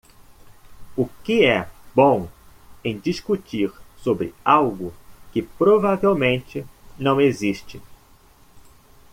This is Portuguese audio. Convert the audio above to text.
O que é bom em discutir sobre algo que provavelmente não existe?